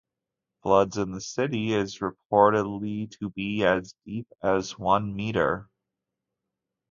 Floods in the city is reportedly to be as deep as one meter.